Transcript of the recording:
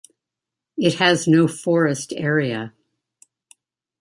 It has no forest area.